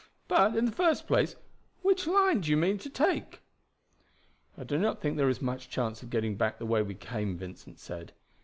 But, in the first place, which line do you mean to take?" "I do not think there is much chance of getting back the way we came," Vincent said.